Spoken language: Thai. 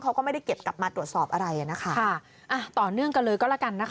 เขาก็ไม่ได้เก็บกลับมาตรวจสอบอะไรอ่ะนะคะค่ะอ่ะต่อเนื่องกันเลยก็แล้วกันนะคะ